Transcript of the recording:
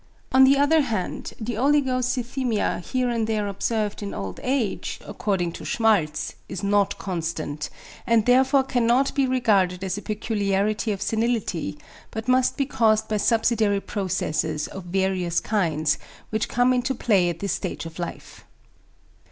On the other hand the oligocythæmia here and there observed in old age, according to Schmaltz, is not constant, and therefore cannot be regarded as a peculiarity of senility, but must be caused by subsidiary processes of various kinds which come into play at this stage of life.